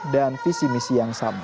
dan visi misi yang sama